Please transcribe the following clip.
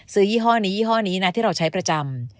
ยี่ห้อนี้ยี่ห้อนี้นะที่เราใช้ประจำ